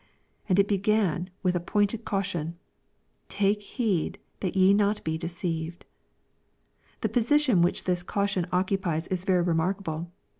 And it began with a pointed caution, "Take heed that ye be not deceived." The position which this caution occupies is very remark able.